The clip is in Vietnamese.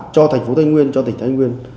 cho tp thái nguyên cho tỉnh thái nguyên